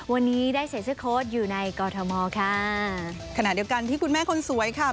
วันนี้ได้ใส่เสื้อโค้ดอยู่ในกอทมค่ะขณะเดียวกันที่คุณแม่คนสวยค่ะ